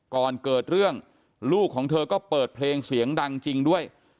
ก่อนเกิดเรื่องลูกของเธอก็เปิดเพลงเสียงดังจริงด้วย